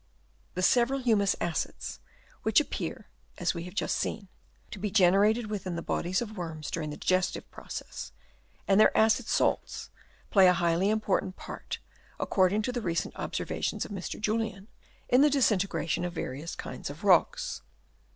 The several humus acids, which appear, as we have just seen, to be generated within the bodies of worms during the digestive process, and their acid salts, play a highly important part, according to the recent observations of Mr. Julien, in the disintegration of various kinds of rocks.